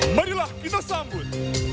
merilah kita sambut